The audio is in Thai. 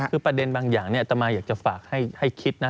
คือประเด็นบางอย่างอัตมาอยากจะฝากให้คิดนะ